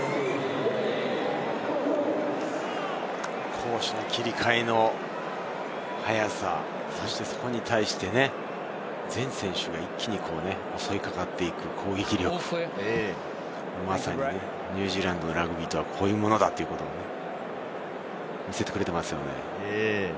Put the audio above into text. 攻守の切り替えの速さ、そしてそこに対して、全選手が一気に襲いかかっていく攻撃力、まさにニュージーランドのラグビーとは、こういうものだというのを見せてくれていますよね。